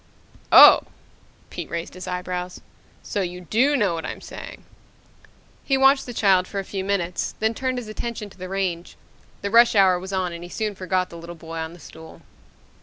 "Oh?" Pete raised his eyebrows. "So you do know what I'm saying." He watched the child for a few minutes, then turned his attention to the range. The rush hour was on and he soon forgot the little boy on the stool